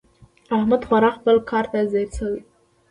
احمد خورا خپل کار ته ځيږ شوی دی.